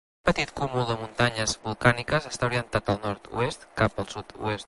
Aquest petit cúmul de muntanyes volcàniques està orientat del nord-oest cap al sud-oest.